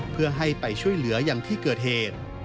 เพื่อให้ไปช่วยเหลืออย่างที่เกิดเหตุ